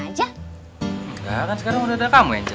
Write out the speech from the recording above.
enggak kan sekarang udah ada kamu angel